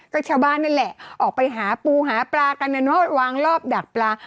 ก็ชาวบ้านนั่นแหละออกไปหาปูหาปลากันนะเนอะวางรอบดักปลา